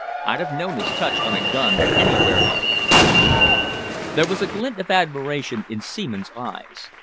I'd have known his touch on a gun anywhere, though." There was a glint of admiration in Seaman's eyes.